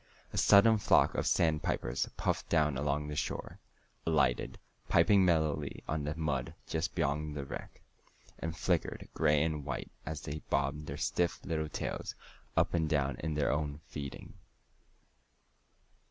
A sudden flock of sand pipers puffed down along the shore, alighted, piping mellowly, on the mud just beyond the wreck, and flickered gray and white as they bobbed their stiff little tails up and down in their feeding.